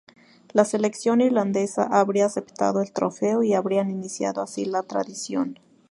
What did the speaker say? La selección irlandesa habría aceptado el trofeo y habrían iniciado así la tradición.